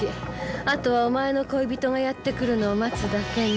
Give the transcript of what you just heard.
あとはお前の恋人がやって来るのを待つだけね。